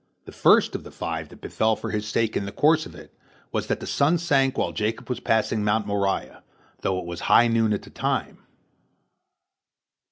The first of the five that befell for his sake in the course of it was that the sun sank while Jacob was passing Mount Moriah, though it was high noon at the time.